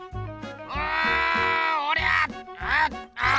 うんおりゃうああ。